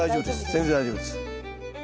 全然大丈夫です。